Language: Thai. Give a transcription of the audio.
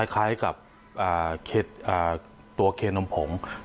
คล้ายกับตัวเคนมผง